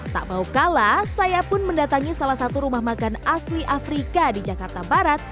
tak mau kalah saya pun mendatangi salah satu rumah makan asli afrika di jakarta barat